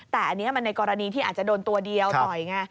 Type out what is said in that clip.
แต่อันนี้มันในกรณีที่อาจจะโดนตัวเดียวต่อยไง